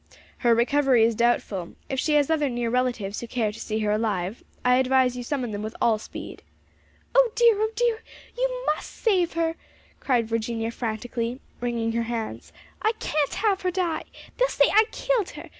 "Her recovery is doubtful. If she has other near relatives who care to see her alive, I advise you to summon them with all speed." "Oh dear! oh dear! you must save her!" cried Virginia frantically, wringing her hands. "I can't have her die. They'll say I killed her!